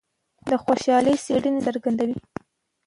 د خوشحالۍ څېړنې دا څرګندوي.